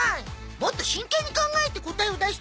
もっと真剣に考えて答えを出してほしいな！